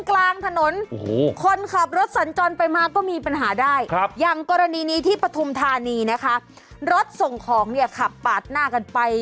กลางถนนโอ้โหคนขับรถสัญจรไปมาก็มีปัญหาได้ครับอย่างกรณีนี้ที่ปฐุมธานีนะคะรถส่งของเนี่ยขับปาดหน้ากันไป